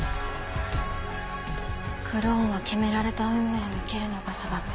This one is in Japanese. クローンは決められた運命を生きるのがさだめ。